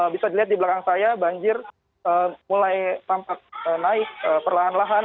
bisa dilihat di belakang saya banjir mulai tampak naik perlahan lahan